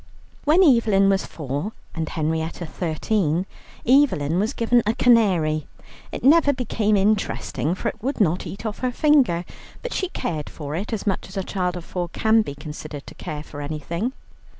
When Evelyn was four and Henrietta thirteen, Evelyn was given a canary. It never became interesting, for it would not eat off her finger, but she cared for it as much as a child of four can be considered to care for anything.